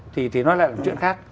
thì nó là chuyện khác